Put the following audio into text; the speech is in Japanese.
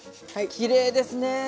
きれいですね。